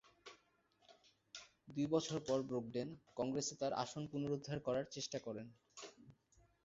দুই বছর পর ব্রোগডেন কংগ্রেসে তার আসন পুনরুদ্ধার করার চেষ্টা করেন।